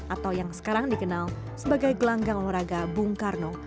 atau yang sekarang dikenal sebagai gelanggang olahraga bung karno